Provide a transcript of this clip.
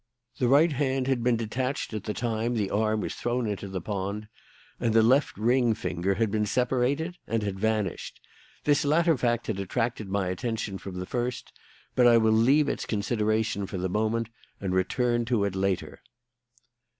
The right hand had been detached at the time the arm was thrown into the pond, and the left ring finger had been separated and had vanished. This latter fact had attracted my attention from the first, but I will leave its consideration for the moment and return to it later."